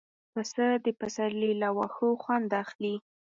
پسه د پسرلي له واښو خوند اخلي.